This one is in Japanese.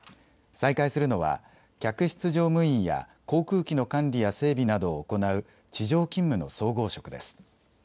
再開するのは、客室乗務員や航空機の管理や整備などを行う地上勤務の総合職です。